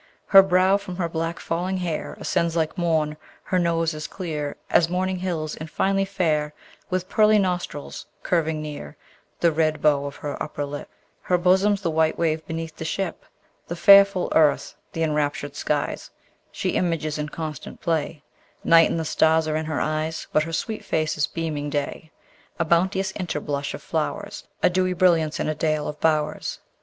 Her brow from her black falling hair Ascends like morn: her nose is clear As morning hills, and finely fair With pearly nostrils curving near The red bow of her upper lip; Her bosom's the white wave beneath the ship. The fair full earth, the enraptured skies, She images in constant play: Night and the stars are in her eyes, But her sweet face is beaming day, A bounteous interblush of flowers: A dewy brilliance in a dale of bowers.